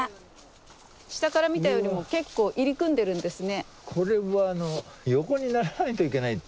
下から見たよりも結構入り組んでるんですね。